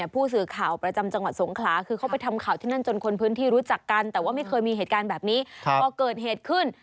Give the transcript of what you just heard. เพื่อมาร่วมงานแบบนั้น